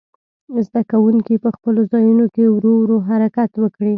زده کوونکي په خپلو ځایونو کې ورو ورو حرکت وکړي.